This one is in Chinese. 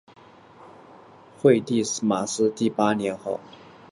建武是西晋皇帝晋惠帝司马衷的第八个年号。